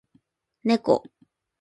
猫